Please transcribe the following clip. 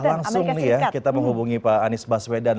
langsung nih ya kita menghubungi pak anies baswedan